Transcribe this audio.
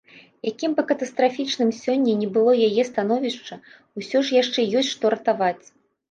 Якім бы катастрафічным сёння не было яе становішча, усё ж яшчэ ёсць што ратаваць.